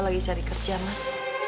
lagi cari kerja mas